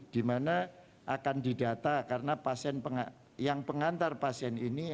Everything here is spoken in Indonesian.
di mana akan didata karena pasien yang pengantar pasien ini